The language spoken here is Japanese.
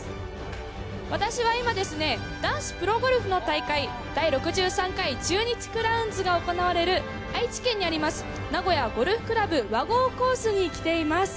私は今ですね、男子プロゴルフの大会、第６３回中日クラウンズが行われる、愛知県にあります、名古屋ゴルフ倶楽部和合コースに来ています。